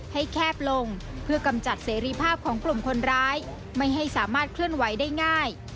แคบลงเพื่อกำจัดเสรีภาพของกลุ่มคนร้ายไม่ให้สามารถเคลื่อนไหวได้ง่าย